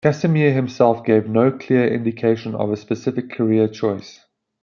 Casimir himself gave no clear indication of a specific career choice.